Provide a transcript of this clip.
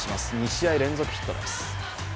２試合連続ヒットです。